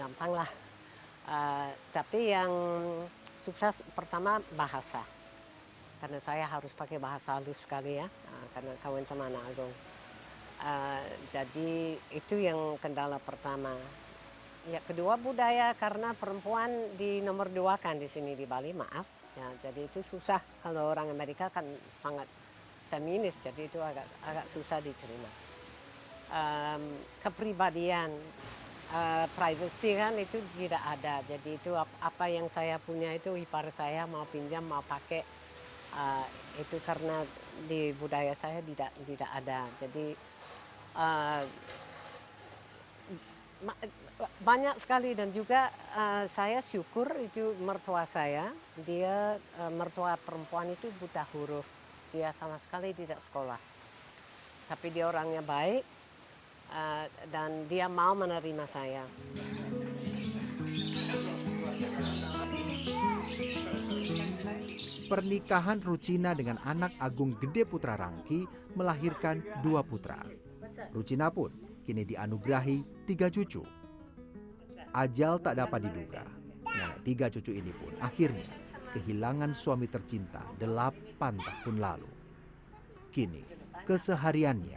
membuat rucina balinger pun fasih berbahasa bali